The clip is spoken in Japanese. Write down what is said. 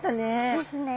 ですね。